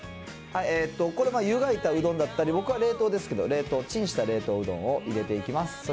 これはゆがいたうどんだったり、僕は冷凍ですけど、冷凍、チンした冷凍うどんを入れていきます。